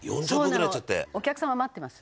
お客様待ってます。